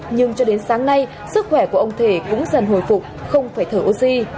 nhưng cho đến sáng nay sức khỏe của ông thể cũng dần hồi phục không phải thở oxy